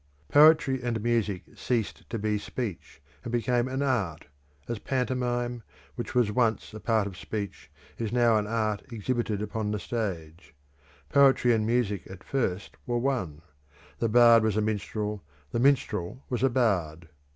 Poetry and music ceased to be speech, and became an art, as pantomime, which once was a part of speech, is now an art exhibited upon the stage. Poetry and music at first were one; the bard was a minstrel, the minstrel was a bard.